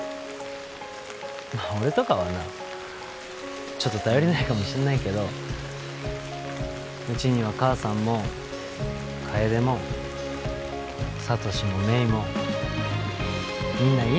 まあ俺とかはちょっと頼りないかもしんないけどうちには母さんも楓も聡も芽衣もみんないんの。